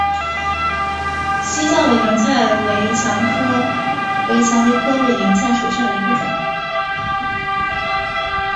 西藏委陵菜为蔷薇科委陵菜属下的一个种。